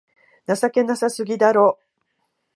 情けなさすぎだろ